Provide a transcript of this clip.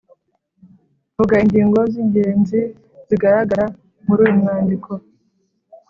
vuga ingingo z’ingenzi zigaragara muri uyu mwandiko.